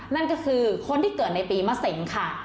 นั่นก็คือคนที่เกิดในปีมะเสงค่ะ